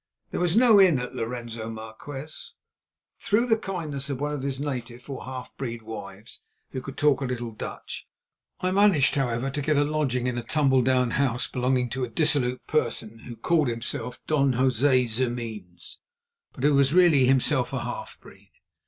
There was no inn at Lorenzo Marquez. Through the kindness of one of his native or half breed wives, who could talk a little Dutch, I managed, however, to get a lodging in a tumble down house belonging to a dissolute person who called himself Don José Ximenes, but who was really himself a half breed.